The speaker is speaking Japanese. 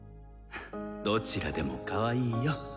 どちらでもかわいいよ。